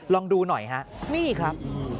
ลองดูหน่อยฮะนี่ครับ